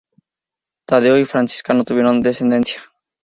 Tadeo y Francisca no tuvieron descendencia.